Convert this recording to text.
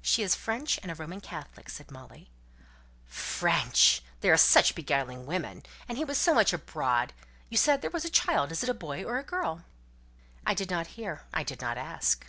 "She is French, and a Roman Catholic," said Molly. "French! They are such beguiling women; and he was so much abroad! You said there was a child, is it a boy or a girl?" "I did not hear. I did not ask."